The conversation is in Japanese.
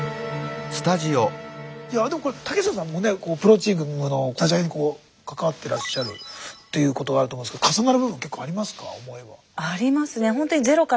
でも竹下さんもねプロチームの立ち上げに関わってらっしゃるということがあると思うんですけど重なる部分結構ありますか？